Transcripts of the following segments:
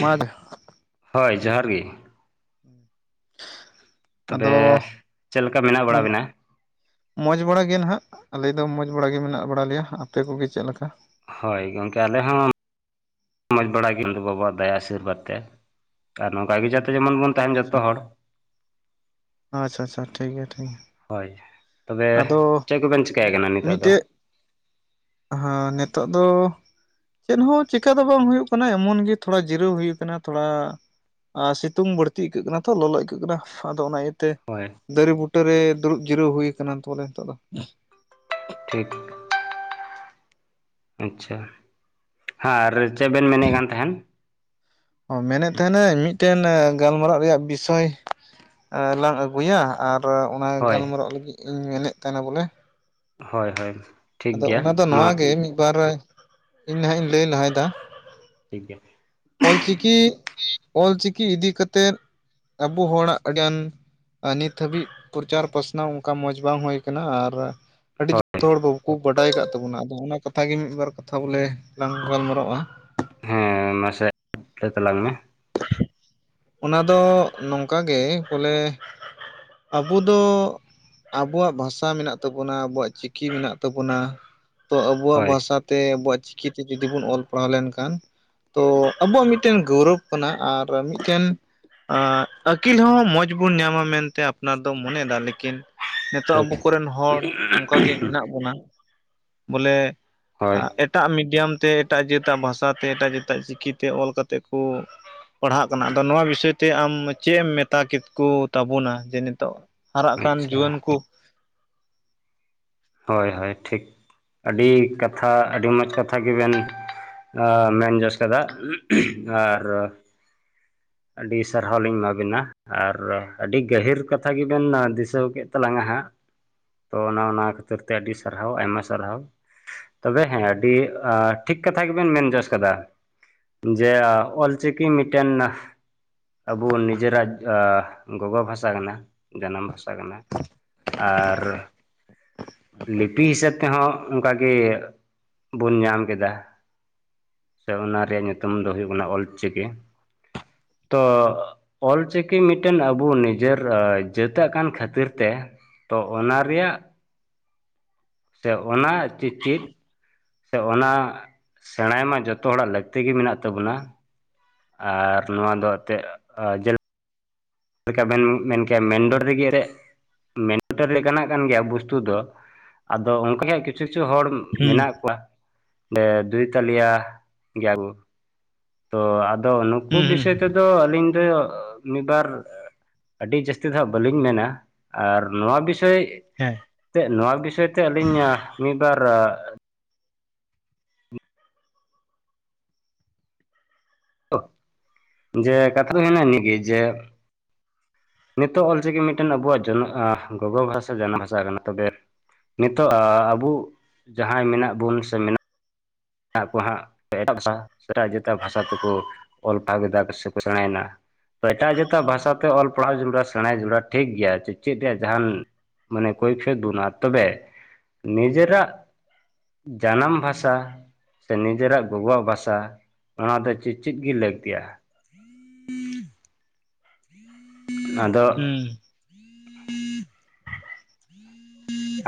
ᱢᱫ [unintelligible] ᱦᱳᱭ ᱡᱚᱦᱟᱨ ᱜᱮ ᱾ [unintelligible] ᱛᱚᱵᱮ ᱪᱮᱫ ᱞᱮᱠᱟ ᱢᱮᱱᱟᱜ ᱢᱚᱡᱽ ᱵᱟᱲᱟ ᱵᱤᱱᱟ? ᱢᱚᱡᱽ ᱵᱟᱲᱟ ᱜᱮ ᱱᱟᱦᱟᱜ ᱟᱞᱮ ᱫᱚ ᱢᱚᱡᱽ ᱵᱟᱲᱟ ᱜᱮ ᱢᱮᱱᱟᱜ ᱵᱟᱲᱟ ᱞᱮᱭᱟ, ᱟᱯᱮ ᱠᱚᱜᱮ ᱪᱮᱫ ᱞᱮᱠᱟ? ᱦᱳᱭ ᱜᱚᱢᱠᱮ ᱟᱞᱮ ᱦᱚᱸ ᱢᱚᱡᱽ ᱵᱟᱲᱟ ᱜᱮᱭᱟ ᱪᱟᱸᱫᱳ ᱵᱟᱵᱟ ᱫᱟᱭᱟ ᱟᱥᱤᱨᱵᱟᱫᱽ ᱛᱮ, ᱟᱨ ᱱᱚᱝᱠᱟ ᱜᱮ ᱡᱟᱛᱮ ᱡᱮᱢᱚᱱ ᱵᱚᱱ ᱛᱟᱦᱮᱱ ᱟᱪᱷᱟ ᱡᱚᱛᱚ ᱦᱚᱲ ᱟᱪᱷᱟ ᱟᱪᱷᱟ ᱴᱷᱤᱠ ᱜᱮᱭᱟ ᱴᱷᱤᱠ ᱜᱮᱭᱟ ᱾ ᱦᱳᱭ ᱛᱚᱵᱮ ᱪᱮᱫ ᱠᱚᱵᱮᱱ ᱪᱤᱭᱠᱟᱭ ᱠᱟᱱᱟ ᱱᱤᱛᱚᱜ ᱫᱚ? ᱦᱚᱸ ᱱᱤᱛᱚᱜ ᱫᱚ ᱪᱮᱫ ᱦᱚᱸ ᱪᱤᱠᱟᱹ ᱫᱚ ᱵᱟᱝ ᱦᱩᱭᱩᱜ ᱠᱟᱱᱟ ᱮᱢᱚᱱ ᱜᱮ ᱛᱷᱚᱲᱟ ᱡᱤᱨᱟᱹᱣ ᱦᱩᱭᱩᱜ ᱠᱟᱱᱟ ᱛᱷᱚᱲᱟ ᱾ ᱟᱨ ᱥᱤᱛᱩᱝ ᱵᱟᱹᱲᱛᱤ ᱟᱹᱭᱠᱟᱹᱜ ᱠᱟᱱᱟ ᱛᱚ ᱞᱚᱞᱚ ᱟᱹᱭᱠᱟᱹᱜ ᱠᱟᱱᱟ ᱟᱫᱚ ᱚᱱᱟ ᱤᱭᱟᱹᱛᱮ ᱾ ᱦᱳᱭ ᱾ ᱫᱟᱨᱮ ᱵᱩᱴᱟᱹᱨᱮ ᱫᱩᱲᱩᱵ ᱡᱤᱨᱟᱹᱣ ᱦᱩᱭ ᱟᱠᱟᱱᱟ ᱵᱚᱞᱮ ᱱᱤᱛᱚᱜ ᱫᱚ ᱾ ᱴᱷᱤᱠ ᱟᱪᱷᱟ ᱦᱮ ᱟᱨ ᱪᱮᱫ ᱵᱮᱱ ᱢᱮᱱᱮᱫ ᱠᱟᱱ ᱛᱟᱸᱦᱮᱱ ᱚ ᱢᱮᱱᱮᱫ ᱛᱟᱦᱮᱱᱟᱹᱧ ᱢᱤᱫᱴᱮᱱ ᱜᱟᱞᱢᱟᱨᱟᱜ ᱨᱮᱭᱟᱜ ᱵᱤᱥᱚᱭ ᱮᱸ ᱞᱟᱝ ᱟᱹᱜᱩᱭᱟ ᱟᱨ ᱚᱱᱟ ᱦᱳᱭ ᱜᱟᱞᱢᱟᱨᱟᱜ ᱞᱟᱹᱜᱤᱫ ᱤᱧ ᱢᱮᱱᱮᱫ ᱛᱟᱦᱮᱱᱟ ᱵᱚᱞᱮ ᱦᱚᱭ-ᱦᱚᱭ ᱟᱫᱚ ᱚᱱᱟ ᱫᱚ ᱱᱚᱣᱟ ᱜᱮᱼ ᱢᱤᱫ ᱵᱟᱨ ᱤᱧ ᱱᱟᱦᱜ ᱤᱧ ᱞᱟᱹᱭ ᱞᱟᱦᱟᱭ ᱫᱟ᱾ ᱴᱷᱤᱠ ᱜᱮᱭᱟ᱾ ᱚᱞᱪᱤᱠᱤᱼᱚᱞᱪᱤᱠᱤ ᱤᱫᱤ ᱠᱟᱛᱮᱫ ᱟᱵᱚ ᱦᱚᱲᱟᱜ ᱟᱹᱰᱤᱜᱟᱱ ᱟᱨ ᱱᱤᱛ ᱫᱷᱟᱹᱵᱤᱡ ᱯᱨᱚᱪᱟᱨ ᱯᱟᱥᱱᱟᱣ ᱚᱱᱠᱟ ᱢᱚᱸᱡᱽ ᱵᱟᱝ ᱦᱩᱭ ᱠᱟᱱᱟ ᱟᱨ ᱟᱹᱰᱤ ᱦᱳᱭ ᱡᱷᱚᱛᱚ ᱦᱚᱲ ᱵᱟᱠᱚ ᱵᱟᱰᱟᱭ ᱠᱟᱫ ᱛᱟᱵᱚᱱᱟ ᱟᱫᱚ ᱚᱱᱟ ᱠᱟᱛᱷᱟ ᱜᱮ ᱢᱤᱫᱵᱟᱨ ᱠᱟᱛᱷᱟ ᱵᱚᱞᱮ ᱞᱟᱝ ᱜᱟᱞᱢᱟᱨᱟᱜᱼᱟ᱾ ᱦᱮᱸ ᱢᱟᱥᱮ ᱞᱟᱹᱭ ᱛᱟᱞᱟᱝ ᱢᱮ᱾ ᱚᱱᱟ ᱫᱚ ᱱᱚᱝᱠᱟ ᱜᱮ ᱵᱚᱞᱮ ᱟᱵᱩ ᱫᱚ ᱟᱵᱩᱣᱟᱜ ᱵᱷᱟᱥᱟ ᱢᱮᱱᱟᱜ ᱛᱟᱵᱩᱱᱟ, ᱟᱵᱩᱣᱟᱜ ᱪᱤᱠᱤ ᱢᱮᱱᱟᱜ ᱛᱟᱵᱩᱱᱟ ᱛᱚ ᱟᱵᱩᱣᱟᱜ ᱦᱳᱭ ᱵᱷᱟᱥᱟ ᱛᱮ ᱟᱵᱚᱣᱟᱜ ᱪᱤᱠᱤᱛᱮ ᱡᱩᱫᱤ ᱵᱚᱱ ᱚᱞᱼ ᱯᱟᱲᱦᱟᱣ ᱞᱮᱱᱠᱷᱟᱱ ᱛᱚ ᱟᱵᱚᱣᱟᱜ ᱢᱤᱫᱴᱮᱱ ᱜᱟᱹᱣᱨᱚᱵᱽ ᱠᱟᱱᱟ ᱟᱨ ᱢᱤᱫᱴᱮᱱ ᱟᱸ ᱟᱹᱠᱤᱞ ᱦᱚᱸ ᱢᱚᱡᱽ ᱵᱚᱱ ᱧᱟᱢᱟ ᱢᱮᱱᱛᱮ ᱟᱯᱱᱟᱨ ᱫᱚ ᱢᱚᱱᱮᱭᱮᱫᱟ ᱞᱮᱠᱤᱱ ᱛᱚ ᱴᱷᱤᱠ ᱟᱵᱩ ᱠᱚᱨᱮᱱ ᱦᱚᱲ ᱚᱱᱠᱟ ᱜᱮ ᱢᱮᱱᱟᱜ ᱵᱚᱱᱟ ᱵᱚᱞᱮ ᱦᱳᱭ ᱮᱴᱟᱜ ᱢᱤᱰᱤᱭᱟᱢ ᱛᱮ ᱮᱴᱟᱜ ᱡᱟᱹᱛᱟᱜ ᱵᱷᱟᱥᱟ ᱛᱮ ᱮᱴᱟᱜ ᱡᱟᱹᱛᱟᱜ ᱪᱤᱠᱤ ᱛᱮ ᱚᱞ ᱠᱟᱛᱮᱫ ᱠᱚ ᱯᱟᱲᱦᱟᱜ ᱟᱫᱚ ᱱᱚᱣᱟ ᱵᱤᱥᱚᱭ ᱛᱮ ᱟᱢ ᱪᱮᱜ ᱮᱢ ᱢᱮᱛᱟ ᱠᱮ ᱠᱚ ᱛᱟᱵᱚᱱᱟ ᱡᱮ ᱱᱤᱛᱚᱜ ᱦᱟᱨᱟᱜ ᱠᱟᱱ ᱟᱪᱪᱷᱟ ᱡᱩᱣᱟᱹᱱ ᱠᱩ ᱦᱚᱭ-ᱦᱚᱭ ᱴᱷᱤᱠ ᱟᱹᱰᱤ ᱠᱟᱛᱷᱟ ᱟᱹᱰᱤ ᱢᱚᱡᱽ ᱠᱟᱛᱷᱟ ᱜᱮᱵᱮᱱ ᱢᱮᱱ ᱡᱚᱥ ᱠᱟᱫᱟ ᱟᱨ ᱟᱹᱰᱤ ᱥᱟᱨᱦᱟᱣ ᱞᱤᱧ ᱮᱢᱟᱵᱤᱱᱟ᱾ ᱟᱨ ᱟᱹᱰᱤ ᱜᱟᱹᱦᱤᱨ ᱠᱟᱛᱷᱟ ᱜᱮᱵᱮᱱ ᱫᱤᱥᱟᱹᱣ ᱠᱮᱫ ᱛᱟᱞᱟᱝᱟ ᱦᱟᱸᱜ᱾ ᱛᱚ ᱚᱱᱟ-ᱚᱱᱟ ᱠᱷᱟᱹᱛᱤᱨ ᱛᱮ ᱟᱹᱰᱤ ᱥᱟᱨᱦᱟᱣ ᱟᱭᱢᱟ ᱥᱟᱨᱦᱟᱣ᱾ ᱛᱚᱵᱮ ᱦᱮᱸ ᱟᱹᱰᱤ ᱴᱷᱤᱠ ᱠᱟᱛᱷᱟ ᱜᱮᱵᱮᱱ ᱢᱮᱱ ᱡᱚᱥ ᱠᱟᱫᱟ᱾ ᱡᱮ ᱚᱞ ᱪᱤᱠᱤ ᱢᱤᱫᱴᱮᱱ ᱟᱹᱵᱩ ᱱᱤᱡᱮᱨᱟᱜ ᱜᱚᱜᱚ ᱵᱷᱟᱥᱟ ᱠᱟᱱᱟ ᱡᱟᱱᱟᱢ ᱵᱷᱟᱥᱟ ᱠᱟᱱᱟ ᱟᱨ ᱞᱤᱯᱤ ᱦᱤᱥᱟᱹᱵ ᱛᱮᱦᱚᱸ ᱚᱱᱠᱟ ᱜᱮ ᱵᱚᱱ ᱧᱟᱢ ᱠᱮᱫᱟ ᱥᱮ ᱚᱱᱟ ᱨᱮᱭᱟᱜ ᱧᱩᱛᱩᱢ ᱫᱚ ᱦᱩᱭᱩᱜ ᱠᱟᱱᱟ ᱚᱞ ᱪᱤᱠᱤ ᱛᱚ ᱚᱞ ᱪᱤᱠᱤ ᱢᱤᱫᱴᱮᱱ ᱟᱵᱚ ᱱᱤᱡᱮᱨ ᱡᱟᱹᱛᱟᱜ ᱠᱟᱱ ᱠᱷᱟᱹᱛᱤᱨ ᱛᱮ ᱛᱚ ᱚᱱᱟ ᱨᱮᱭᱟᱜ ᱥᱮ ᱚᱱᱟ ᱪᱮ-ᱪᱮᱫ ᱥᱮ ᱚᱱᱟ ᱥᱮᱬᱟᱭ ᱢᱟ ᱡᱚᱛᱚ ᱦᱚᱲᱟᱜ ᱞᱟᱹᱠᱛᱤ ᱜᱮ ᱢᱮᱱᱟᱜ ᱛᱟᱵᱚᱱᱟ᱾ ᱟᱨ ᱱᱚᱣᱟ ᱫᱚ ᱮᱱᱛᱮᱫ ᱧᱮᱞ ᱞᱮᱠᱟ ᱵᱮᱱ ᱢᱮᱱ ᱠᱮᱭᱟ ᱢᱮᱱᱰᱚᱲ ᱨᱮᱜᱮ ᱨᱮ ᱢᱮᱱ ᱞᱮᱠᱟᱱᱟᱜ ᱠᱟᱱ ᱜᱮᱭᱟ ᱵᱚᱥᱛᱩ ᱫᱚ ᱟᱫᱚ ᱚᱱᱠᱟ ᱠᱤᱪᱷᱩ-ᱠᱤᱪᱷᱩ ᱦᱚᱲ ᱦᱩᱸ ᱢᱮᱱᱟᱜ ᱠᱚᱣᱟ ᱫᱩᱭ ᱛᱟᱞᱤᱭᱟ ᱜᱮᱭᱟᱵᱩ ᱛᱚ ᱟᱫᱚ ᱱᱩᱠᱩ ᱦᱩᱸ ᱦᱩᱸ ᱵᱤᱥᱚᱭ ᱛᱮᱫᱚ ᱟᱹᱞᱤᱧ ᱫᱚ ᱢᱤᱫᱵᱟᱨ ᱟᱹᱰᱤ ᱡᱟᱹᱥᱛᱤ ᱫᱚ ᱦᱟᱸᱜ ᱵᱟᱹᱞᱤᱧ ᱢᱮᱱᱟ ᱟᱨ ᱱᱚᱣᱟ ᱵᱤᱥᱚᱭ ᱦᱮᱸ ᱪᱮᱫ ᱱᱚᱣᱟ ᱵᱤᱥᱚᱭ ᱛᱮ ᱟᱹᱞᱤᱧ ᱢᱤᱫᱵᱟᱨ ᱡᱮ ᱠᱟᱛᱷᱟ ᱫᱚ ᱦᱮᱱᱟ ᱤᱱᱟᱹᱜᱮ ᱡᱮ ᱱᱤᱛᱚᱜ ᱚᱞ ᱪᱤᱠᱤ ᱢᱤᱫᱴᱮᱱ ᱟᱵᱚᱣᱟᱜ ᱡ ᱜᱚᱜᱚ ᱵᱷᱟᱥᱟ ᱥᱮ ᱡᱟᱱᱟᱢ ᱵᱷᱟᱥᱟᱜ ᱠᱟᱱᱟ ᱛᱚᱵᱮ ᱱᱤᱛᱚᱜ ᱟᱵᱚ ᱡᱟᱦᱟᱸᱭ ᱢᱮᱱᱟᱜ ᱵᱩᱱ ᱥᱮ ᱢᱮᱱᱟᱜ ᱟᱠᱚ ᱦᱟᱸᱜ ᱮᱴᱟᱜ, ᱮᱴᱟᱜ ᱵᱷᱟᱥᱟ ᱛᱮᱠᱚ ᱚᱞ ᱯᱟᱲᱦᱟᱣ ᱮᱫᱟ ᱥᱮᱠᱚ ᱥᱮᱬᱟᱭᱮᱱᱟ ᱾ ᱛᱚ ᱮᱴᱟᱜ ᱡᱟᱹᱛᱟᱜ ᱵᱷᱟᱥᱟ ᱛᱮ ᱚᱞ ᱯᱟᱲᱦᱟᱣ ᱡᱚᱲᱟ ᱥᱮᱬᱟ ᱡᱩᱲᱟ ᱴᱷᱤᱠ ᱜᱮᱭᱟ ᱪᱮᱫ ᱨᱮᱭᱟᱜ ᱡᱟᱦᱟᱱ ᱢᱟᱱᱮ ᱠᱚᱭᱯᱳᱫ ᱵᱩᱱᱟ ᱛᱚᱵᱮ ᱱᱤᱡᱮᱨᱟᱜ ᱡᱟᱱᱟᱢ ᱵᱷᱟᱥᱟ ᱥᱮ ᱱᱤᱡᱮᱨᱟᱜ ᱜᱚᱜᱚ ᱵᱷᱟᱥᱟ ᱾ ᱚᱱᱟ ᱫᱚ ᱪᱮᱫ ᱪᱮᱫ ᱜᱮ ᱞᱟᱹᱠᱛᱤᱜᱼᱟ? ᱟᱫᱚ ᱦᱩᱸ [inaudible]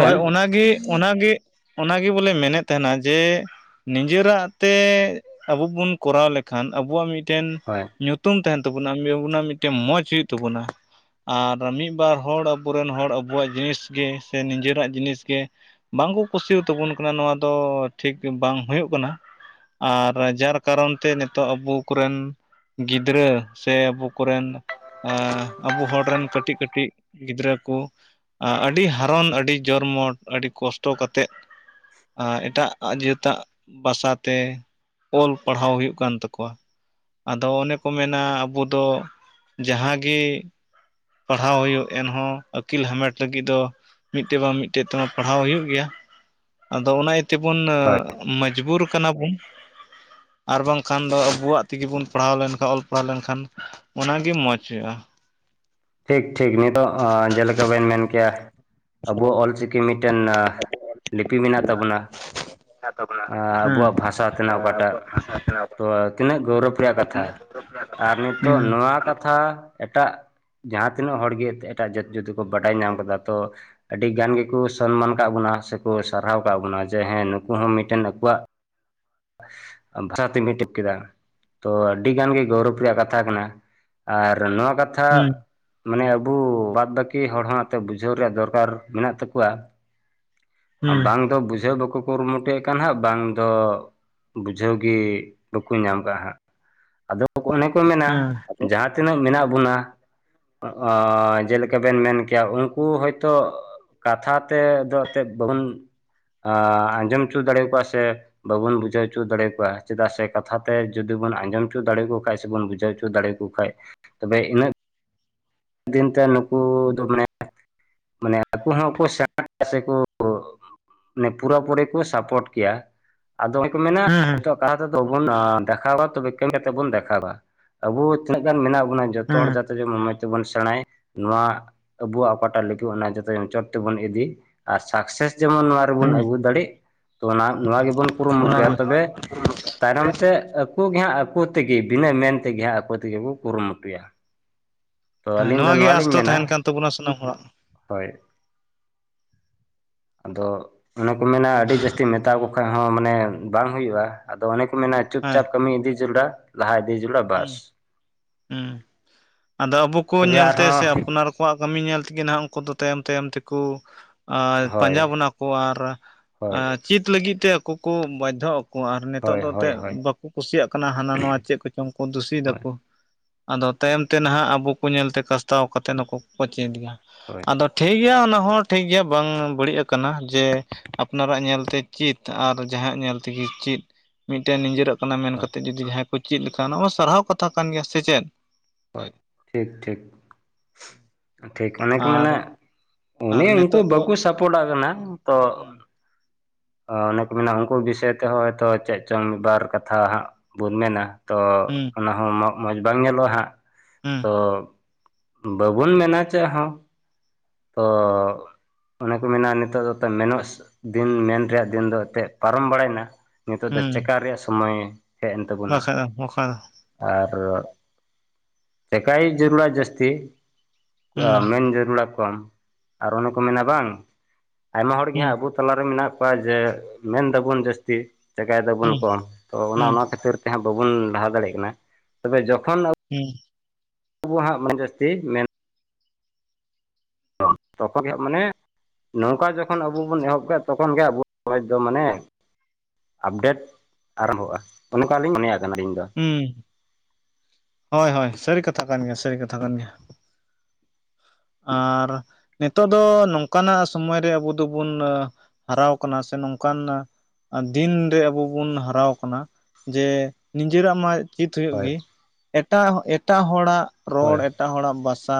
ᱦᱳᱭ ᱚᱱᱟᱜᱮ, ᱚᱱᱟᱜᱮ, ᱚᱱᱟᱜᱮ ᱵᱚᱞᱮ ᱢᱮᱱᱮᱫ ᱛᱟᱦᱮᱱᱟ ᱡᱮ ᱱᱤᱡᱮᱨᱟᱜ ᱛᱮ ᱟᱵᱚ ᱵᱚᱱ ᱠᱚᱨᱟᱣ ᱞᱮᱠᱷᱟᱱ ᱟᱵᱚᱣᱟᱜ ᱢᱤᱫᱴᱮᱱ ᱦᱳᱭ ᱧᱩᱛᱩᱢ ᱛᱟᱦᱮᱱ ᱛᱟᱵᱚᱱᱟ᱾ ᱟᱵᱚ ᱢᱤᱫᱴᱮᱱ ᱢᱚᱡᱽ ᱦᱳᱭ ᱛᱟᱵᱚᱱᱟ ᱾ ᱟᱨ ᱢᱤᱫᱵᱟᱨ ᱦᱚᱲ ᱟᱵᱚ ᱨᱮᱱ ᱦᱚᱲ ᱟᱵᱚᱣᱟᱜ ᱡᱤᱱᱤᱥ ᱜᱮ ᱥᱮ ᱱᱤᱡᱮᱨᱟᱜ ᱡᱤᱱᱤᱥ ᱜᱮ ᱵᱟᱝ ᱠᱚ ᱠᱩᱥᱤᱤᱭᱟ ᱛᱟᱵᱚᱱ ᱠᱟᱱᱟ ᱱᱚᱣᱟ ᱫᱚ ᱴᱷᱤᱠ ᱵᱟᱝ ᱦᱩᱭᱩᱜ ᱠᱟᱱᱟ ᱾ ᱟᱨ ᱡᱟᱨ ᱠᱟᱨᱚᱱ ᱛᱮ ᱱᱤᱛᱚᱜ ᱟᱵᱚ ᱠᱚᱨᱮᱱ ᱜᱤᱫᱽᱨᱟᱹ ᱥᱮ ᱟᱵᱚ ᱠᱚᱨᱮᱱ ᱟᱵᱚ ᱦᱚᱲ ᱨᱮᱱ ᱠᱟᱹᱴᱤᱡ, ᱠᱟᱹᱴᱤᱡ ᱜᱤᱫᱽᱨᱟᱹ ᱠᱚ ᱟᱹᱰᱤ [unintelligible] ᱟᱹᱰᱤ ᱡᱚᱨᱢᱚᱴ ᱟᱹᱰᱤ ᱠᱚᱥᱴᱚ ᱠᱟᱛᱮᱫ ᱟᱨ ᱮᱴᱟᱜ ᱡᱟᱹᱛᱟᱜ ᱵᱷᱟᱥᱟ ᱛᱮ ᱚᱞ ᱯᱟᱲᱦᱟᱣ ᱦᱩᱭᱩᱜ ᱠᱟᱱ ᱛᱟᱠᱚᱣᱟ ᱾ ᱟᱫᱚ ᱚᱱᱮ ᱠᱚ ᱢᱮᱱᱟ ᱟᱵᱚ ᱫᱚ ᱡᱟᱦᱟᱸ ᱜᱮ ᱯᱟᱲᱦᱟᱣ ᱦᱩᱭᱩᱜ ᱮᱱᱦᱚᱸ ᱟᱹᱠᱤᱞ ᱦᱟᱢᱮᱴ ᱞᱟᱹᱜᱤᱫ ᱫᱚ ᱢᱤᱫᱴᱮᱡ ᱵᱟᱝ ᱢᱤᱫᱴᱮᱡ ᱛᱮᱢᱟ ᱯᱟᱲᱦᱟᱣ ᱦᱩᱭᱩᱜ ᱜᱮᱭᱟ ᱾ ᱟᱫᱚ ᱚᱱᱟ ᱤᱭᱟᱹ ᱛᱮᱵᱚᱱ ᱦᱳᱭ ᱢᱚᱡᱽᱵᱩᱨ ᱠᱟᱱᱟ ᱵᱚᱱ ᱟᱨ ᱵᱟᱝ ᱠᱷᱟᱱ ᱫᱚ ᱟᱵᱚᱣᱟᱜ ᱛᱮᱜᱮ ᱵᱚᱱ ᱯᱟᱲᱦᱟᱣ ᱞᱮᱱᱠᱷᱟᱱ ᱚᱞ ᱯᱟᱲᱦᱟᱣ ᱞᱮᱱᱠᱷᱟᱱ ᱚᱱᱟᱜᱤ ᱢᱚᱸᱡᱽ ᱦᱩᱭᱩᱜᱼᱟ ᱾ ᱴᱷᱤᱠ, ᱴᱷᱤᱠ ᱱᱤᱛᱚᱜ ᱡᱮᱞᱮᱠᱟ ᱵᱮᱱ ᱢᱮᱱ ᱠᱮᱭᱟ ᱾ ᱟᱵᱚ ᱚᱞ ᱪᱤᱠᱤ ᱢᱤᱫᱴᱮᱱ ᱞᱤᱯᱤ ᱢᱮᱱᱟᱜ ᱛᱟᱵᱚᱱᱟ ᱾ ᱦᱩᱸ ᱟᱵᱚᱣᱟᱜ ᱵᱷᱟᱥᱟ ᱛᱮᱱᱟᱜ ᱚᱠᱟᱴᱟᱜ ᱛᱚ ᱛᱤᱱᱟᱹᱜ ᱜᱚᱨᱚᱵᱽ ᱨᱮᱭᱟᱜ ᱠᱟᱛᱷᱟ ᱟᱨ ᱱᱤᱛᱚᱜ ᱦᱩᱸ ᱱᱚᱣᱟ ᱠᱟᱛᱷᱟ ᱮᱴᱟᱜ ᱡᱟᱦᱟᱸ ᱛᱤᱱᱟᱹᱜ ᱦᱚᱲ ᱜᱮ ᱮᱴᱟᱜ ᱡᱟᱹᱛ ᱡᱩᱫᱤ ᱠᱚ ᱵᱟᱰᱟᱭ ᱧᱟᱢ ᱠᱟᱫᱟ ᱛᱚ ᱟᱹᱰᱤ ᱜᱟᱱ ᱜᱮᱠᱚ ᱥᱚᱱᱢᱟᱱ ᱠᱟᱜ ᱵᱚᱱᱟ, ᱥᱮᱠᱚ ᱥᱟᱨᱦᱟᱣ ᱠᱫ ᱵᱚᱱᱟ ᱡᱮ ᱦᱮᱸ ᱱᱩᱠᱩ ᱦᱚᱸ ᱢᱤᱫᱴᱮᱱ ᱟᱠᱚᱣᱟᱜ [inaudible] ᱵᱷᱟᱥᱟ ᱛᱮ ᱢᱮᱴᱤᱝ ᱠᱮᱫᱟ ᱾ ᱛᱚ ᱟᱹᱰᱤ ᱜᱟᱱ ᱜᱮ ᱜᱚᱨᱚᱵᱽ ᱨᱮᱭᱟᱜ ᱠᱟᱛᱷᱟ ᱠᱟᱱᱟ, ᱟᱨ ᱱᱚᱣᱟ ᱠᱟᱛᱷᱟ ᱦᱩᱸ ᱢᱟᱱᱮ ᱟᱵᱚ ᱵᱟᱫ ᱵᱟᱹᱠᱤ ᱦᱚᱲ ᱦᱚᱸ ᱮᱱᱛᱮ ᱵᱩᱡᱷᱟᱹᱣ ᱨᱮᱭᱟᱜ ᱫᱚᱨᱠᱟᱨ ᱢᱮᱱᱟᱜ ᱛᱟᱠᱚᱣᱟ ᱦᱩᱸ ᱵᱟᱝ ᱫᱚ ᱵᱩᱡᱷᱟᱹᱣ ᱵᱟᱠᱚ ᱠᱩᱨᱩᱢᱩᱴᱩᱭᱮᱫ ᱠᱟᱱ ᱦᱟᱸᱜ ᱵᱟᱝ ᱫᱚ ᱵᱩᱡᱷᱟᱹᱣ ᱜᱮ ᱵᱟᱠᱚ ᱧᱟᱢ ᱠᱟᱜᱼᱟ ᱦᱟᱸᱜ᱾ ᱟᱫᱚ ᱚᱱᱮ ᱠᱚ ᱢᱮᱱᱟ ᱡᱟᱦᱟᱸ ᱛᱤᱱᱟᱹᱜ ᱢᱮᱱᱟᱜ ᱵᱚᱱᱟ ᱡᱮ ᱞᱮᱠᱟ ᱵᱮᱱ ᱢᱮᱱ ᱠᱮᱫ-ᱟ, ᱩᱱᱠᱩ ᱦᱳᱭᱛᱳ ᱠᱟᱛᱷᱟ ᱛᱮ ᱫᱚ ᱵᱟᱵᱚᱱ ᱟᱸᱡᱚᱢ ᱦᱚᱪᱚ ᱫᱟᱲᱮ ᱟᱠᱚᱣᱟ ᱥᱮ ᱵᱟᱵᱚᱱ ᱵᱩᱡᱷᱟᱹᱣ ᱦᱚᱪᱚ ᱫᱟᱲᱮ ᱟᱠᱚᱣᱟ᱾ ᱪᱮᱫᱟᱜ ᱥᱮ ᱠᱟᱛᱷᱟ ᱛᱮ ᱡᱩᱫᱤ ᱵᱚᱱ ᱟᱸᱡᱚᱢ ᱦᱚᱪᱚ ᱫᱟᱲᱮ ᱟᱠᱚ ᱠᱷᱟᱱᱡ ᱥᱮᱵᱚᱱ ᱵᱩᱡᱷᱟᱹᱣ ᱦᱚᱪᱚ ᱫᱟᱲᱮ ᱠᱩ ᱠᱷᱟᱡ ᱛᱚᱵᱮ ᱤᱱᱟᱹᱜ ᱫᱤᱱᱛᱮ ᱱᱩᱠᱩ ᱫᱚ ᱢᱟᱱᱮ ᱢᱟᱱᱮ ᱟᱠᱚ ᱦᱚᱸᱠᱚ ᱥᱮᱬᱟ [unintelligible] ᱥᱮᱠᱚ ᱢᱟᱱᱮ ᱯᱩᱨᱟᱹᱯᱩᱨᱤ ᱠᱚ ᱥᱟᱯᱚᱴ ᱠᱮᱭᱟ᱾ ᱟᱫᱚ ᱠᱚ ᱢᱮᱱᱟ ᱦᱩᱸ ᱞᱟᱦᱟ ᱛᱮᱫᱚ ᱵᱚᱱ ᱫᱮᱠᱷᱟᱣᱟ ᱠᱟᱹᱢᱤ ᱠᱟᱛᱮ ᱵᱚᱱ ᱫᱮᱠᱷᱟᱣᱟ᱾ ᱟᱵᱚ ᱛᱤᱱᱟᱹᱜ ᱜᱟᱱ ᱢᱮᱱᱟᱜ ᱵᱚᱱᱟ ᱾ ᱡᱚᱛᱚ ᱦᱚᱲ ᱦᱩᱸ ᱡᱟᱛᱮ ᱢᱚᱡᱽ ᱛᱮᱵᱚᱱ ᱥᱮᱬᱟᱭ ᱱᱚᱣᱟ ᱟᱵᱚᱣᱟᱜ ᱚᱠᱟᱴᱟᱜ ᱞᱟᱹᱜᱤᱫ ᱚᱱᱟ ᱡᱚᱛᱚᱪᱚᱴ ᱛᱮᱵᱚᱱ ᱤᱫᱤ᱾ ᱟᱨ ᱥᱟᱠᱥᱮᱥ ᱡᱮᱢᱚᱱ ᱱᱚᱣᱟ ᱦᱩᱸ ᱦᱩᱸ ᱟᱹᱜᱩ ᱫᱟᱲᱮᱜ ᱛᱚ ᱱᱚᱣᱟ ᱜᱮᱵᱚᱱ ᱠᱩᱨᱩᱢᱩᱴᱩᱭᱟ ᱚᱱᱟᱜᱮ ᱛᱚᱵᱮ ᱛᱟᱭᱚᱢ ᱛᱮ ᱟᱠᱚ ᱜᱮ ᱦᱟᱸᱜ ᱟᱠᱚ ᱛᱮᱜᱮ ᱵᱤᱱᱟᱹ ᱢᱮᱱ ᱛᱮᱜᱮ ᱦᱟᱸᱜ ᱟᱠᱚ ᱛᱮᱜᱮ ᱠᱚ ᱠᱩᱨᱩᱢᱩᱴᱩᱭᱟ᱾ ᱛᱚ ᱟᱹᱞᱤᱧ ᱱᱚᱣᱟ ᱜᱮ ᱟᱥ ᱫᱚ ᱛᱟᱦᱮᱱ ᱠᱟᱱ ᱛᱟᱵᱚᱱᱟ ᱥᱟᱱᱟᱢ ᱦᱚᱲᱟᱜ᱾ ᱦᱚᱭ᱾ ᱟᱫᱚ ᱚᱱᱮ ᱠᱚ ᱢᱮᱱᱟ ᱟᱹᱰᱤ ᱡᱟᱹᱥᱛᱤ ᱢᱮᱛᱟᱣᱟᱠᱚ ᱠᱷᱟᱱ ᱦᱚᱸ ᱢᱟᱱᱮ ᱵᱟᱝ ᱦᱩᱭᱩᱜᱼᱟ ᱟᱫᱚ ᱚᱱᱮ ᱠᱚ ᱢᱮᱱᱟ ᱪᱩᱯ ᱦᱮᱸ ᱪᱟᱯ ᱠᱟᱹᱢᱤ ᱤᱫᱤ [unintelligible] ᱞᱟᱦᱟ ᱤᱫᱤ ᱡ [unintelligible] ᱦᱩᱸ ᱦᱩᱸ ᱟᱫᱚ ᱟᱵᱚ ᱠᱚ ᱛᱚᱵᱮ ᱧᱮᱞᱛᱮ ᱥᱮ ᱟᱨᱦᱚᱸ ᱟᱯᱱᱟᱨ ᱠᱚ ᱠᱚᱣᱟᱜ ᱠᱟᱹᱢᱤ ᱧᱮᱞ ᱛᱮᱜᱮ ᱱᱟᱦᱟᱜ ᱩᱱᱠᱩ ᱫᱚ ᱛᱟᱭᱚᱢ ᱛᱟᱭᱚᱢ ᱛᱮᱠᱚ ᱯᱟᱸᱡᱟ ᱦᱳᱭ ᱵᱚᱱᱟ ᱠᱚ ᱟᱨ ᱦᱳᱭ ᱪᱮᱫ ᱞᱟᱹᱜᱤᱫ ᱛᱮ ᱟᱠᱚ ᱠᱚ ᱵᱟᱫᱽᱫᱷᱚ ᱟᱨ ᱱᱤᱛᱚᱜ ᱦᱳᱭ ᱫᱚ ᱦᱳᱭ ᱮᱱᱛᱮᱫ ᱦᱳᱭ ᱵᱟᱠᱚ ᱠᱩᱥᱤᱭᱟᱜ ᱠᱟᱱᱟ ᱦᱟᱱᱟ ᱱᱟᱣᱟ ᱪᱮᱫ ᱠᱚᱪᱚᱝ ᱠᱚ ᱫᱩᱥᱤ ᱦᱳᱭ ᱮᱫᱟᱠᱚ᱾ ᱟᱫᱚ ᱛᱟᱭᱚᱢ ᱛᱮᱱᱟᱦᱟᱜ ᱟᱵᱚ ᱠᱚ ᱧᱮᱞᱛᱮ ᱠᱟᱥᱛᱟᱣ ᱠᱟᱛᱮᱫ ᱫᱚᱠᱚ ᱪᱮᱫ ᱜᱮᱭᱟ᱾ ᱦᱳᱭ ᱟᱫᱚ ᱴᱷᱤᱠ ᱜᱮᱭᱟ ᱚᱱᱟ ᱦᱚᱸ ᱴᱷᱤᱠ ᱜᱮᱭᱟ ᱵᱟᱝ ᱵᱟᱹᱲᱤᱡ ᱟᱠᱟᱱᱟ ᱡᱮ ᱟᱯᱱᱟᱨᱟᱜ ᱧᱮᱞᱛᱮ ᱪᱩᱛ ᱟᱨ ᱡᱟᱦᱟᱸ ᱧᱮᱞ ᱛᱮᱜᱮ ᱪᱩᱛ ᱢᱤᱫᱴᱮᱱ ᱱᱤᱡᱚᱨᱟᱜ ᱢᱮᱱ ᱦᱳᱭ ᱠᱟᱛᱮᱫ ᱡᱩᱫᱤ ᱡᱟᱦᱟᱸᱭ ᱠᱚ ᱪᱮᱫ ᱞᱮᱠᱟ ᱚᱱᱟᱢᱟ ᱥᱟᱨᱦᱟᱣ ᱠᱟᱛᱷᱟ ᱠᱟᱱ ᱜᱮᱭᱟ ᱥᱮ ᱪᱮᱫ? ᱦᱚᱭ ᱴᱷᱤᱠ ᱴᱷᱤᱠ ᱴᱷᱤᱠ ᱚᱱᱮᱠᱚ ᱟᱨ ᱢᱮᱱᱟ ᱚᱱᱮ ᱟᱨ ᱩᱱᱠᱩ ᱱᱤᱛᱚᱜ ᱫᱚ ᱵᱟᱠᱚ ᱥᱟᱯᱚᱴᱟᱜ ᱠᱟᱱᱟ ᱛᱚ ᱦᱩᱸ ᱚᱱᱮ ᱠᱚ ᱢᱮᱱᱟ ᱩᱱᱠᱩ ᱵᱤᱥᱚᱭ ᱛᱮ ᱦᱚᱭᱛᱚ ᱪᱮᱫ ᱪᱚᱝ ᱢᱤᱫ ᱵᱟᱨ ᱠᱟᱛᱷᱟ ᱦᱟᱸᱜ ᱵᱚᱱ ᱢᱮᱱᱟ᱾ ᱛᱚ ᱦᱩᱸ ᱚᱱᱟ ᱦᱚᱸ ᱢᱚᱡᱽ ᱵᱟᱝ ᱧᱮᱞᱚᱜᱼᱟ ᱦᱟᱸᱜ᱾ ᱦᱩᱸ ᱚ ᱵᱟᱵᱚᱱ ᱢᱮᱱᱟ ᱪᱮᱫ ᱦᱚᱸ᱾ ᱚ ᱚᱱᱮ ᱠᱚ ᱢᱮᱱᱟ ᱱᱤᱛᱚᱜ ᱫᱚ ᱛᱚ ᱢᱮᱱᱚᱥ ᱫᱤᱱ ᱢᱮᱱ ᱨᱮᱭᱟᱜ ᱫᱤᱱ ᱫᱚ ᱮᱛᱮᱫ ᱯᱟᱨᱚᱢ ᱵᱟᱲᱟᱭᱮᱱᱟ᱾ ᱱᱤᱛᱚᱜ ᱫᱚ ᱦᱩᱸ ᱪᱮᱠᱟ ᱨᱮᱭᱟᱜ ᱥᱚᱢᱚᱭ ᱦᱮᱡ ᱮᱱ ᱛᱟᱵᱚᱱᱟ᱾ ᱵᱟᱠᱷᱟᱡ ᱫᱚ ᱵᱟᱠᱷᱟᱡ ᱫᱚ ᱟᱨ ᱪᱮᱠᱟᱭ ᱡᱟᱹᱨᱩᱲᱟ ᱡᱟᱹᱥᱛᱤ ᱦᱩᱸ ᱢᱮᱱ ᱡᱟᱹᱨᱩᱲᱟ ᱠᱚᱢ ᱟᱨ ᱚᱱᱮ ᱠᱚ ᱢᱮᱱᱟ ᱵᱟᱝ ᱟᱭᱢᱟ ᱦᱚᱲ ᱦᱩᱸ ᱜᱮᱦᱟᱸᱜ ᱟᱵᱚ ᱛᱟᱞᱟᱨᱮ ᱢᱮᱱᱟᱜ ᱠᱚᱣᱟ ᱡᱮ ᱢᱮᱱ ᱮᱫᱟᱵᱚᱱ ᱡᱟᱹᱥᱛᱤ ᱪᱤᱠᱟᱭ ᱫᱟᱵᱚᱱ ᱦᱩᱸ ᱠᱚᱢ ᱛᱚ ᱚᱱᱟ ᱦᱩᱸ ᱚᱱᱟ ᱠᱷᱟᱹᱛᱤᱨ ᱛᱮ ᱡᱟᱦᱟᱸ ᱵᱟᱵᱚᱱ ᱞᱟᱦᱟ ᱫᱟᱲᱮᱭᱟᱜ ᱠᱟᱱᱟ ᱛᱚᱵᱮ ᱡᱚᱠᱷᱚᱱ ᱦᱩᱸ᱾ ᱟᱵᱚ ᱦᱟᱸᱜ ᱢᱚᱱ ᱡᱟᱹᱥᱛᱤ ᱢᱮᱱ ᱛᱚᱠᱷᱚ [unintelligible] ᱢᱟᱱᱮ ᱱᱚᱝᱠᱟ ᱡᱚᱠᱷᱚᱱ ᱟᱵᱚ ᱵᱚᱱ ᱮᱦᱚᱵ ᱠᱮᱜᱼᱟ ᱛᱚᱠᱷᱚᱱ ᱜᱮ ᱟᱵᱚ ᱥᱚᱢᱟᱡᱽ ᱫᱚ ᱢᱟᱱᱮ ᱟᱯᱰᱮᱴ ᱟᱨᱚᱢᱵᱷᱚᱜᱼᱟ ᱚᱱᱠᱟᱞᱤᱧ ᱢᱚᱱᱮᱭᱟᱜ ᱠᱟᱱᱟ ᱟᱞᱤᱧ ᱫᱚ᱾ ᱦᱩᱸ ᱦᱚᱭ ᱦᱚᱭ ᱥᱟᱹᱨᱤ ᱠᱟᱛᱷᱟ ᱠᱟᱱ ᱜᱮᱭᱟ ᱥᱟᱹᱨᱤ ᱠᱟᱛᱷᱟ ᱠᱟᱱ ᱜᱮᱭᱟ᱾ ᱟᱨ ᱱᱤᱛᱚᱜ ᱫᱚ ᱱᱚᱝᱠᱟᱱᱟᱜ ᱥᱚᱢᱚᱭ ᱨᱮ ᱟᱵᱚ ᱫᱚᱵᱚᱱ ᱦᱟᱨᱟᱣ ᱟᱠᱟᱱᱟ ᱥᱮ ᱱᱚᱝᱠᱟᱱ ᱫᱤᱱ ᱨᱮ ᱟᱵᱚ ᱵᱚᱱ ᱦᱟᱨᱟᱣ ᱠᱟᱱᱟ ᱡᱮ ᱱᱤᱡᱮᱨᱟᱜ ᱢᱟ ᱪᱮᱫ ᱦᱩᱭᱩᱜ ᱦᱳᱭ ᱜᱮ ᱮᱴᱟᱜ ᱮᱴᱟᱜ ᱦᱚᱲᱟᱜ ᱨᱚᱲ ᱦᱳᱭ ᱮᱴᱟᱜ ᱦᱚᱲᱟᱜ ᱵᱟᱥᱟ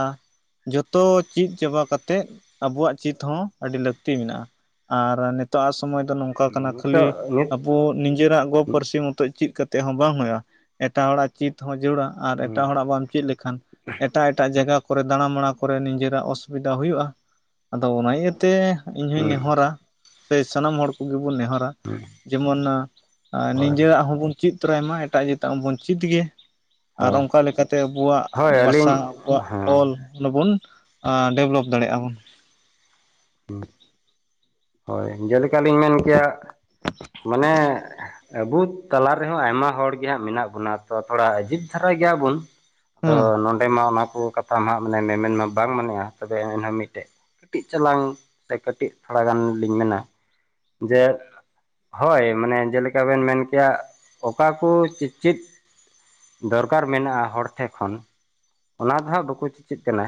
ᱡᱚᱛᱚ ᱪᱮᱫ ᱪᱟᱵᱟ ᱠᱟᱛᱮᱫ ᱟᱵᱚᱣᱟᱜ ᱪᱮᱫ ᱦᱚᱸ ᱟᱹᱰᱤ ᱞᱟᱹᱠᱛᱤ ᱢᱮᱱᱟᱜᱼᱟ᱾ ᱟᱨ ᱥᱚᱢᱚᱭ ᱫᱚ ᱱᱚᱝᱠᱟ ᱠᱟᱱᱟ ᱠᱷᱟᱹᱞᱤ ᱱᱤᱛᱚᱜ ᱱᱤᱛ ᱟᱵᱚ ᱱᱤᱡᱮᱨᱟᱜ ᱫᱚ ᱯᱟᱹᱨᱥᱤ ᱢᱚᱛᱚ ᱪᱮᱫ ᱠᱟᱛᱮᱫ ᱦᱚᱸ ᱵᱟᱝ ᱦᱩᱭᱩᱜᱼᱟ ᱮᱴᱟᱜ ᱦᱚᱲᱟᱜ ᱪᱮᱫ ᱦᱚᱸ ᱡᱚᱲᱟ᱾ ᱟᱨ ᱦᱩᱸ ᱮᱴᱟᱜ ᱦᱚᱲᱟᱜ ᱵᱟᱢ ᱪᱮᱫ ᱞᱮᱠᱷᱟᱱ ᱮᱴᱟᱜ ᱮᱴᱟᱜ ᱡᱟᱭᱜᱟ ᱠᱚᱨᱮ ᱫᱟᱬᱟ ᱢᱟᱲᱟ ᱠᱚᱨᱮ ᱱᱤᱡᱮᱨᱟᱜ ᱚᱥᱩᱵᱤᱫᱟ ᱦᱩᱭᱩᱜᱼᱟ ᱟᱫᱚ ᱚᱱᱟ ᱤᱭᱟᱹᱛᱮ ᱤᱧ ᱦᱩᱧ ᱦᱩᱸ ᱱᱮᱦᱚᱨᱟ᱾ ᱥᱮ ᱥᱟᱱᱟᱢ ᱦᱚᱲ ᱠᱚᱜᱮ ᱵᱚᱱ ᱱᱮᱦᱚᱨᱟ ᱦᱩᱸ ᱡᱮᱢᱚᱱ ᱦᱳᱭ ᱱᱤᱡᱮᱨᱟᱜ ᱦᱚᱸᱵᱚᱱ ᱪᱮᱫ ᱛᱚᱨᱟᱭ ᱢᱟ ᱮᱴᱟᱜ ᱡᱟᱹᱛᱟᱜ ᱢᱟᱵᱚᱱ ᱪᱮᱫ ᱜᱮ᱾ ᱟᱨ ᱦᱳᱭ ᱚᱱᱠᱟ ᱞᱮᱠᱟᱛᱮ ᱟᱵᱚᱣᱟᱜ ᱦᱳᱭ ᱵᱟᱥᱟ ᱟᱹᱞᱤᱧ ᱟᱵᱚᱣᱟᱜ ᱚᱞ ᱦᱮᱸ ᱚᱱᱟ ᱵᱚᱱ ᱟᱻ ᱰᱮᱵᱷᱞᱚᱯ ᱫᱟᱲᱮᱭᱟᱜ-ᱟ ᱵᱚᱱ᱾ ᱦᱩᱸ ᱦᱚᱭ ᱡᱮᱞᱮᱠᱟ ᱞᱤᱧ ᱢᱮᱱ ᱠᱮᱭᱟ ᱢᱟᱱᱮ ᱟᱹᱵᱩ ᱛᱟᱞᱟ ᱨᱮᱦᱚᱸ ᱟᱭᱢᱟ ᱦᱚᱲ ᱜᱮᱦᱟᱸᱜ ᱢᱮᱱᱟᱜ ᱵᱚᱱᱟ ᱛᱚ ᱛᱷᱚᱲᱟ ᱟᱹᱡᱤᱵᱽ ᱫᱷᱟᱨᱟ ᱜᱮᱭᱟᱵᱩᱱ ᱾ ᱛᱚ ᱦᱮᱸ ᱱᱚᱰᱮ ᱢᱟ ᱚᱱᱟ ᱠᱚ ᱠᱟᱛ ᱛᱷᱟ ᱱᱷᱟᱜ ᱢᱟᱱᱮ ᱢᱮᱢᱮᱱ ᱢᱟ ᱵᱟᱝ ᱢᱟᱱᱮᱜ-ᱟ ᱛᱚᱵᱮ ᱮᱱᱦᱚᱸ ᱢᱤᱫᱴᱮᱱ ᱠᱟᱹᱴᱤᱡ ᱪᱟᱞᱟᱝ ᱠᱟᱼᱼ ᱛᱮ ᱠᱟᱹᱴᱤᱡ ᱛᱷᱚᱲᱟ ᱜᱟᱱ ᱞᱤᱧ ᱢᱮᱱᱟ, ᱡᱮ ᱦᱚᱭ ᱢᱟᱱᱮ ᱡᱮᱞᱮᱠᱟ ᱵᱮᱱ ᱢᱮᱱ ᱠᱮᱭᱟ ᱚᱠᱟ ᱠᱚ ᱪᱮᱫᱼᱪᱮᱫ, ᱫᱚᱨᱠᱟᱨ ᱢᱮᱱᱟᱜ-ᱟ ᱦᱚᱲ ᱴᱷᱮᱜ ᱠᱷᱚᱱ ᱾ ᱚᱱᱟ ᱫᱚ ᱦᱟᱸᱜ ᱵᱟᱠᱚ ᱪᱮᱪᱮᱫ ᱠᱟᱱᱟ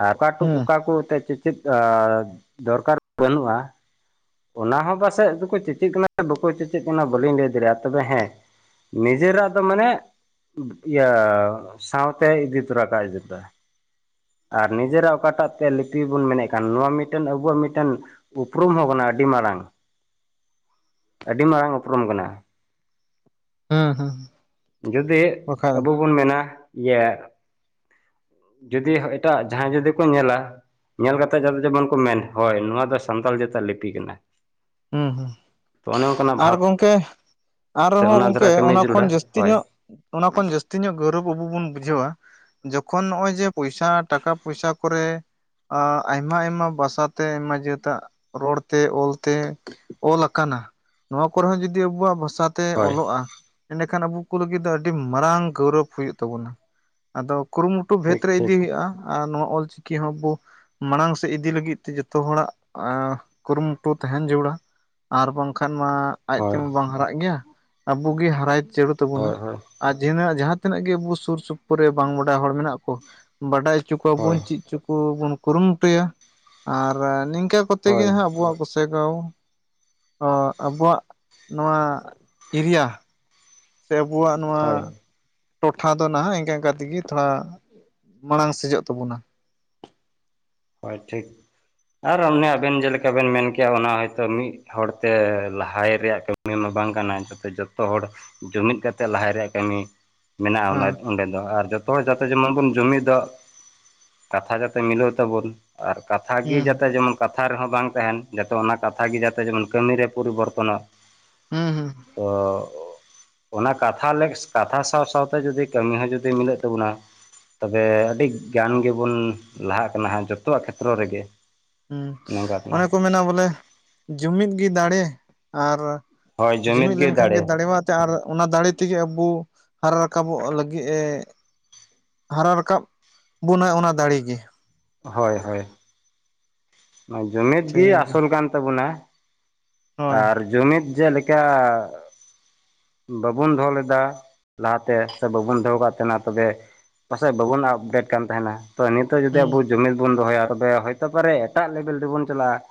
ᱟᱨ ᱚᱠᱟ ᱠᱩ ᱦᱮᱸ ᱚᱠᱟ ᱠᱚ ᱮᱛᱮᱫ ᱪᱮᱫ ᱚᱻ ᱫᱚᱨᱠᱟᱨ ᱵᱟᱹᱱᱩᱜᱼᱟ ᱾ ᱚᱱᱟ ᱦᱚᱸ ᱯᱟᱥᱮᱡ ᱫᱚᱠᱚ ᱪᱮᱪᱮᱫ ᱠᱟᱱᱟ ᱥᱮ ᱵᱟᱠᱚ ᱪᱮᱪᱮᱫ ᱠᱟᱱᱟ ᱵᱟᱹᱞᱤᱧ ᱞᱟᱹᱭ ᱫᱟᱲᱮᱭᱟᱜ-ᱟ ᱛᱚᱵᱮ ᱦᱮᱸ, ᱱᱤᱡᱮᱨᱟᱜ ᱫᱚ ᱢᱟᱱᱮ ᱤᱭᱟᱹ ᱥᱟᱶ ᱛᱮ ᱤᱫᱤ ᱛᱩᱨᱟᱠᱟᱜ-ᱟᱭ ᱡᱩᱛᱟ ᱾ ᱟᱨ ᱱᱤᱡᱮᱨᱟᱜ ᱚᱠᱟᱴᱟᱜ ᱛᱮ ᱞᱤᱯᱤ ᱵᱚᱱ ᱢᱮᱱᱮᱫ ᱠᱟᱱ ᱱᱚᱣᱟ ᱢᱤᱫᱴᱮᱱ ᱟᱵᱚᱣᱟᱜ ᱢᱤᱫᱴᱮᱱ ᱩᱯᱨᱩᱢ ᱦᱚᱸ ᱠᱟᱱᱟ ᱟᱹᱰᱤ ᱢᱟᱨᱟᱝ ᱟᱹᱰᱤ ᱢᱟᱨᱟᱝ ᱩᱯᱨᱩᱢ ᱠᱟᱱᱟ᱾ ᱦᱮᱸ ᱦᱮᱸ᱾ ᱡᱩᱫᱤ ᱵᱟᱠᱷᱟᱡ ᱟᱵᱚ ᱵᱚᱱ ᱢᱮᱱᱟ ᱤᱭᱟᱹ ᱡᱩᱫᱤ ᱦᱚᱸ ᱮᱴᱟᱜ ᱡᱟᱦᱟᱸᱭ ᱡᱩᱫᱤ ᱠᱚ ᱧᱮᱞᱟ ᱧᱮᱞ ᱠᱟᱛᱮᱜ ᱡᱟᱛᱮ ᱡᱮᱢᱚᱱ ᱠᱩ ᱢᱮᱱ ᱦᱚᱭ ᱱᱚᱣᱟ ᱫᱚ ᱥᱟᱱᱛᱟᱞ ᱡᱟᱹᱛᱟᱜ ᱞᱤᱯᱤ ᱠᱟᱱᱟ ᱾ ᱦᱩᱸ ᱦᱩᱸ ᱟᱨ ᱵᱷᱟᱵᱽ ᱜᱚᱝᱠᱮ ᱥᱮ ᱟᱨᱦᱚᱸ ᱚᱱᱟ ᱜᱚᱝᱠᱮ ᱫᱷᱟᱨᱟ ᱠᱟᱹᱢᱤ ᱚᱱᱟ ᱠᱷᱚᱱ ᱡᱟᱹᱨᱩᱲᱟ ᱡᱟᱹᱥᱛᱤ ᱦᱳᱭ ᱧᱚᱜ ᱚᱱᱟ ᱠᱷᱚᱱ ᱡᱟᱹᱥᱛᱤ ᱧᱚᱜ ᱜᱟᱣᱨᱚᱵᱽ ᱟᱹᱵᱩ ᱵᱩᱱ ᱵᱩᱡᱷᱟᱹᱣᱟ ᱡᱚᱠᱷᱚᱱ ᱱᱚᱜ-ᱚᱭ ᱡᱮ ᱯᱚᱭᱥᱟ ᱴᱟᱠᱟ ᱯᱚᱭᱥᱟ ᱠᱚᱨᱮ ᱟᱭᱢᱟ ᱟᱭᱢᱟ ᱵᱷᱟᱥᱟ ᱛᱮ ᱟᱭᱢᱟ ᱡᱟᱹᱛᱟᱜ ᱨᱚᱲ ᱛᱮ ᱚᱞ ᱛᱮ ᱚᱞ ᱟᱠᱟᱱᱟ, ᱱᱚᱣᱟ ᱠᱚᱨᱮ ᱦᱚᱸ ᱡᱩᱫᱤ ᱟᱹᱵᱩᱣᱟᱜ ᱵᱷᱟᱥᱟ ᱛᱮ ᱦᱳᱭ ᱚᱞᱚᱜ-ᱟ ᱤᱱᱟᱹ ᱠᱷᱟᱱ ᱟᱹᱵᱩ ᱠᱩ ᱞᱟᱹᱜᱤᱫ ᱫᱚ ᱟᱹᱰᱤ ᱢᱟᱨᱟᱝ ᱜᱟᱣᱨᱚᱵᱽ ᱦᱩᱭᱩᱜ ᱛᱟᱵᱩᱱᱟ ᱾ ᱟᱫᱚ ᱠᱩᱨᱩᱢᱩ ᱴᱩ ᱵᱷᱮᱫ ᱴᱷᱤᱠ ᱨᱮ ᱴᱷᱤᱠ ᱤᱫᱤ ᱦᱩᱭᱩᱜ-ᱟ ᱾ ᱟᱨ ᱱᱚᱣᱟ ᱚᱞ ᱪᱤᱠᱤ ᱦᱚᱸᱵᱩ ᱢᱟᱲᱟᱝ ᱥᱮᱫ ᱤᱫᱤ ᱞᱟᱹᱜᱤᱫ ᱛᱮ ᱡᱚᱛᱚ ᱦᱚᱲᱟᱜ ᱠᱩᱨᱩᱢᱩᱴᱩ ᱛᱟᱦᱮᱱ ᱡᱟᱹᱨᱩᱲᱟ ᱾ ᱟᱨ ᱵᱟᱝ ᱠᱷᱟᱱ ᱢᱟ ᱟᱡ ᱛᱮ ᱦᱳᱭ ᱢᱟ ᱵᱟᱝ ᱦᱟᱨᱟᱜ ᱜᱮᱭᱟ ᱟᱹᱵᱩ ᱜᱮ ᱦᱟᱨᱟᱭ ᱡᱟᱹᱨᱩᱲ ᱛᱟᱹᱵᱩᱱᱟ᱾ ᱦᱳᱭ ᱦᱳᱭ ᱟᱨ ᱡᱤᱦᱟᱺᱱᱟᱜ ᱡᱟᱦᱟᱸ ᱛᱤᱱᱟᱹᱜ ᱜᱮ ᱟᱹᱵᱩ ᱥᱩᱨ ᱥᱩᱯᱩᱨ ᱨᱮ ᱵᱟᱝ ᱵᱟᱰᱟᱭ ᱦᱚᱲ ᱢᱮᱱᱟᱜ ᱠᱩ ᱵᱟᱰᱟᱭ ᱚᱪᱚ ᱠᱩᱣᱟᱵᱩᱱ ᱦᱳᱭ ᱪᱤᱫ ᱪᱚ ᱠᱩᱵᱩᱱ ᱠᱩᱨᱩᱢᱩᱴᱩᱭᱟ ᱟᱨ ᱱᱤᱝᱠᱟ ᱠᱚᱛᱮ ᱜᱮ ᱦᱳᱭ ᱦᱟᱸᱜ ᱟᱹᱵᱩᱣᱟᱜ ᱜᱚᱥᱮᱜᱟᱶ ᱚᱻ ᱟᱹᱵᱩᱣᱟᱜ ᱱᱚᱣᱟ ᱮᱨᱤᱭᱟ ᱥᱮ ᱟᱹᱵᱩᱣᱟᱜ ᱱᱚᱣᱟ ᱦᱳᱭ ᱴᱚᱴᱷᱟ ᱫᱚ ᱱᱷᱟᱜ ᱤᱱᱠᱟ ᱤᱱᱠᱟ ᱛᱮ ᱜᱤ ᱛᱷᱚᱲᱟ ᱢᱟᱲᱟᱝ ᱥᱮᱡᱚᱜ ᱛᱟᱹᱵᱩᱱᱟ ᱾ ᱦᱚᱭ ᱴᱷᱤᱠ ᱟᱨ ᱚᱱᱮ ᱟᱵᱮᱱ ᱡᱮᱞᱮᱠᱟ ᱵᱮᱱ ᱢᱮᱱ ᱠᱮᱭᱟ ᱚᱱᱟ ᱦᱚᱭᱛᱚ ᱢᱤᱫ ᱦᱚᱲᱛᱮ ᱞᱟᱦᱟᱭ ᱨᱮᱭᱟᱜ ᱠᱟᱹᱢᱤ ᱢᱟ ᱵᱟᱝ ᱠᱟᱱᱟ ᱡᱟᱛᱮ ᱡᱚᱛᱚ ᱦᱚᱲ ᱡᱩᱢᱤᱫ ᱠᱟᱛᱮᱜ ᱞᱟᱦᱟᱭ ᱨᱮᱭᱟᱜ ᱠᱟᱹᱢᱤ ᱢᱮᱱᱟᱜ-ᱟ ᱚᱱᱟ ᱦᱮᱸ ᱚᱸᱰᱮ ᱫᱚ ᱟᱨ ᱡᱚᱛᱚ ᱦᱚᱲ ᱡᱟᱛᱮ ᱡᱮᱢᱚᱱ ᱵᱩᱱ ᱡᱩᱢᱤᱫᱚᱜ ᱠᱟᱛᱷᱟ ᱡᱟᱛᱮ ᱢᱤᱞᱟᱹ ᱚᱜ ᱛᱟᱵᱩᱱ ᱟᱨ ᱠᱟᱛᱷ ᱜᱤ ᱦᱩᱸ ᱡᱟᱛᱮ ᱡᱮᱢᱚᱱ ᱠᱟᱛᱷᱟ ᱨᱮᱦᱚᱸ ᱵᱟᱝ ᱛᱟᱦᱮᱱ ᱡᱟᱛᱮ ᱚᱱᱟ ᱠᱟᱛᱷᱟ ᱜᱮ ᱡᱟᱛᱮ ᱡᱮᱢᱚᱱ ᱠᱟᱹᱢᱤ ᱨᱮ ᱯᱚᱨᱤᱵᱚᱨᱛᱚᱱᱚᱜ᱾ ᱦᱩᱸ ᱦᱩᱸ᱾ ᱚᱜᱻᱚ ᱚᱱᱟ ᱠᱟᱛᱷᱟ ᱞᱮᱠᱥ ᱠᱟᱛᱷᱟ ᱥᱟᱶ ᱥᱟᱶ ᱛᱮ ᱡᱩᱫᱤ ᱠᱟᱹᱢᱤ ᱦᱚᱸ ᱡᱩᱫᱤ ᱢᱤᱞᱟᱹᱜ ᱛᱟᱹᱵᱩᱱᱟ᱾ ᱛᱚᱵᱮ ᱟᱹᱰᱤ ᱜᱟᱱ ᱜᱮᱵᱩᱱ ᱞᱟᱦᱟᱜ ᱠᱟᱱᱟ ᱦᱟᱸᱜ ᱡᱚᱛᱚᱣᱟᱜ ᱠᱷᱮᱛᱨᱚ ᱨᱮ ᱜᱮ᱾ ᱦᱩᱸ ᱚᱱᱮ ᱠᱚ ᱢᱮᱱᱟ ᱵᱚᱞᱮ ᱡᱩᱢᱤᱫ ᱜᱮ ᱫᱟᱲᱮ ᱟᱨ ᱡᱩᱢᱤᱫ ᱞᱮᱱᱠᱷᱟᱱ ᱜᱮ ᱫᱟᱲᱮ ᱢᱟ ᱟᱨ ᱚᱱᱟ ᱫᱟᱲᱮ ᱛᱮᱜᱮ ᱟᱵᱚ ᱦᱟᱨᱟ ᱨᱟᱠᱟᱵᱚᱜ ᱞᱟᱹᱜᱤᱫ ᱮ ᱦᱟᱨᱟ ᱨᱟᱠᱟᱵ ᱵᱚᱱᱟᱭ ᱚᱱᱟ ᱫᱟᱲᱮ ᱜᱮ ᱾ ᱦᱳᱭ ᱦᱳᱭ ᱾ ᱡᱩᱢᱤᱫ ᱴᱷᱤᱠ ᱜᱮ ᱜᱮᱭᱟ ᱟᱥᱚᱞ ᱠᱟᱱ ᱛᱟᱵᱚᱱᱟ ᱦᱳᱭ ᱟᱨ ᱡᱩᱢᱤᱫ ᱡᱮᱞᱮᱠᱟ ᱵᱟᱵᱚᱱ ᱫᱚᱦᱚ ᱞᱮᱫᱟ ᱞᱟᱦᱟᱛᱮ, ᱥᱮ ᱵᱟᱵᱚᱱ ᱫᱚᱦᱚ ᱟᱠᱟᱜ ᱛᱟᱦᱮᱱᱟ ᱛᱚᱵᱮ ᱯᱟᱥᱮᱡ ᱵᱟᱵᱚᱱ ᱟᱯᱰᱮᱴ ᱠᱟᱱ ᱛᱟᱦᱮᱱᱟ, ᱛᱚ ᱱᱤᱛ ᱱᱤᱛᱚᱜ ᱡᱩᱫᱤ ᱦᱩᱸ ᱟᱵᱚ ᱡᱩᱢᱤᱫ ᱵᱚᱱ ᱫᱚᱦᱚᱭᱟ ᱛᱚᱵᱮ ᱦᱚᱭᱛᱚ ᱯᱟᱨᱮ ᱮᱴᱟᱜ ᱞᱮᱵᱮᱞ ᱛᱮᱵᱚᱱ ᱪᱟᱞᱟᱜᱼᱟ ᱾